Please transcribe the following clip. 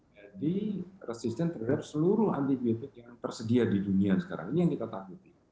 jadi resisten terhadap seluruh antibiotik yang tersedia di dunia sekarang ini yang kita takuti